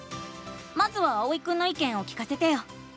まずはあおいくんのいけんを聞かせてよ！